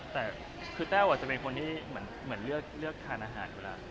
แต่คือแต้วอาจจะเป็นคนที่เหมือนเลือกทานอาหารเวลา